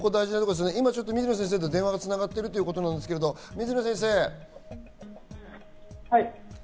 水野先生と電話が繋がってるということですけど、水野先生。